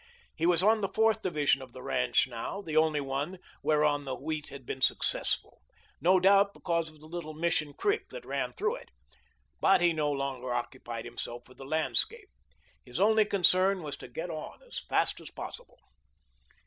He was on the fourth division of the ranch now, the only one whereon the wheat had been successful, no doubt because of the Little Mission Creek that ran through it. But he no longer occupied himself with the landscape. His only concern was to get on as fast as possible.